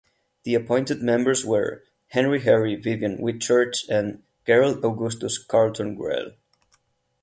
The appointed members were Henry Harry Vivian Whitchurch and Gerald Augustus Carlton Grell.